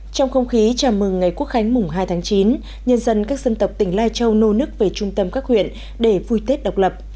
trong không khí chào mừng ngày quốc khánh mùng hai tháng chín nhân dân các dân tộc tỉnh lai châu nô nức về trung tâm các huyện để vui tết độc lập